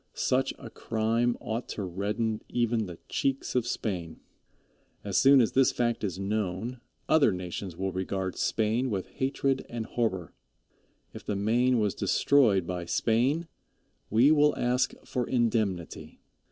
Such a crime ought to redden even the cheeks of Spain. As soon as this fact is known, other nations will regard Spain with hatred and horror. If the Maine was destroyed by Spain we will ask for indemnity.